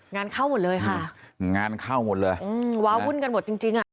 งานเข้าหมดเลยค่ะงานเข้าหมดเลยอืมว้าวุ่นกันหมดจริงจริงอ่ะ